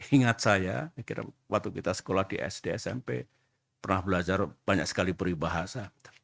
ingat saya kira waktu kita sekolah di sd smp pernah belajar banyak sekali peribahasa